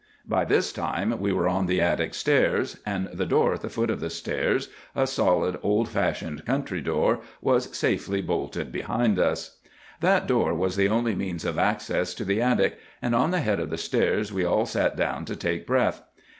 "By this time we were on the attic stairs; and the door at the foot of the stairs—a solid, old fashioned country door—was safely bolted behind us. "That door was the only means of access to the attic; and on the head of the stairs we all sat down to take breath.